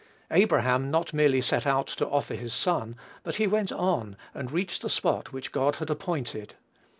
Abraham not merely set out to offer his son, but he went on, and reached the spot which God had appointed.